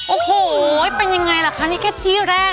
โอ้โหเป็นยังไงล่ะคะนี่แค่ที่แรก